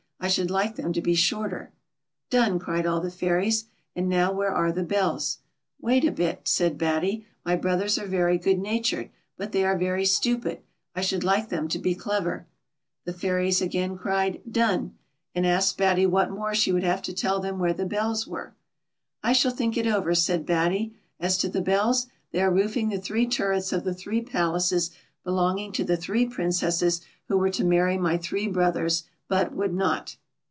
I should like them to be shorter." " Done !" cried all the fairies; " and now where are the bells t "" Wait a bit," said Batty, " my brothers are very good natured, but they are very stupid. I should like them to be clever." The fairies again cried "Done!" and asked Batty 2i6. BATTY. what more she would have to tell them where the bells were. " I shall think it over," said Batty. " As to the bells, they are roofing the three turrets of the three palaces belonging to the three Princesses who were to marry my three brothers, but would not."